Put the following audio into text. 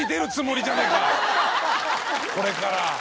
これから。